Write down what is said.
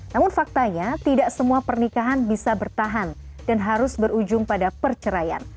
namun faktanya tidak semua pernikahan bisa bertahan dan harus berujung pada perceraian